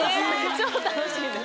超楽しいです。